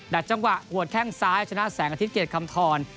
จังหวะหัวแข้งซ้ายชนะแสงอาทิตยเกรดคำทร